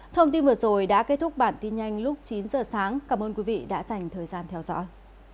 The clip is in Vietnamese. thông tin vừa rồi đã kết thúc bản tin nhanh lúc chín giờ sáng cảm ơn quý vị đã dành thời gian theo dõi